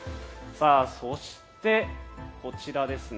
そして、こちらですね。